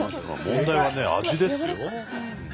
問題はね味ですよ。